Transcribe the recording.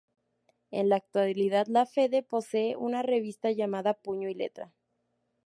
En la actualidad La Fede posee una revista llamada "Puño y letra".